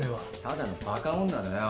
ただのバカ女だよ。